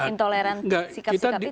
intoleran sikap sikap itu